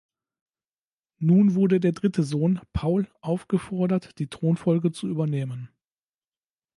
Nun wurde der dritte Sohn, Paul, aufgefordert, die Thronfolge zu übernehmen.